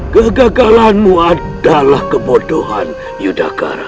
kegagalanmu adalah kebodohan utilized varias